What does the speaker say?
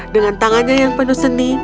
dengan tangannya yang penuh seni